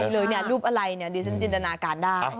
เลยเนี่ยรูปอะไรเนี่ยดิฉันจินตนาการได้